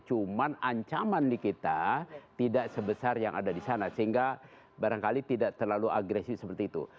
cuman ancaman di kita tidak sebesar yang ada di sana sehingga barangkali tidak terlalu agresif seperti itu